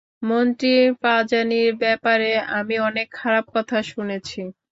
মন্ত্রী পাঝানির ব্যাপারে আমি অনেক খারাপ কথা শুনেছি।